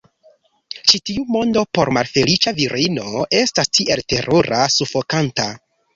Ĉi tiu mondo por malfeliĉa virino estas tiel terura, sufokanta.